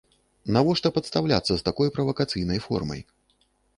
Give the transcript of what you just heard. Навошта падстаўляцца з такой правакацыйнай формай?